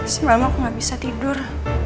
semalam aku gak bisa tidur